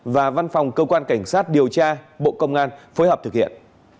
và văn phòng cơ quan cảnh sát điều tra bộ công an phối hợp thực hiện